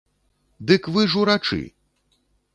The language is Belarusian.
Дык вы ж урачы!